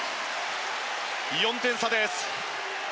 ４点差です。